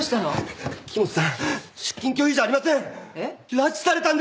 拉致されたんです！